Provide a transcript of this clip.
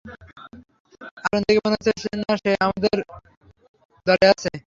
আচরণ দেখে মনে হচ্ছে না সে আমাদের দলে আছে।